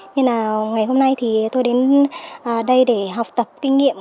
nhưng mà ngày hôm nay thì tôi đến đây để học tập kinh nghiệm